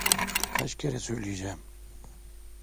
Kaç kere söyleyeceğim?